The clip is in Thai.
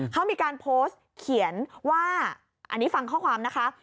เขามีการโพสต์เขียนว่าอันนี้ฟังข้อความนะคะ